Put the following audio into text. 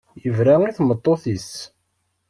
Yebra i tmeṭṭut-is.